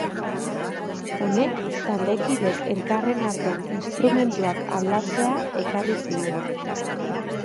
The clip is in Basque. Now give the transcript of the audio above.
Honek, taldekideek elkarren artean instrumentuak aldatzea ekarri zuen.